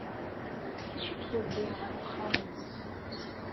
D acu ay k-yewwin ɣer uxxam-nnes?